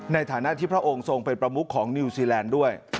ในฐานะที่พระองค์ทรงเป็นประมุขของนิวซีแลนด์ด้วย